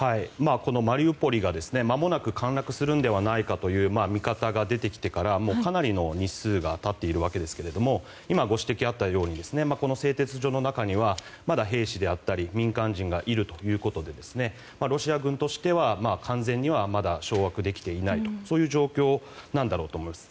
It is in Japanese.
マリウポリが、まもなく陥落するのではないかという見方が出てきてからかなりの日数が経っているわけですけど今、ご指摘あったとおりこの製鉄所の中にはまだ兵士であったり民間人がいるということでロシア軍としては完全にはまだ掌握できていないという状況なんだろうと思います。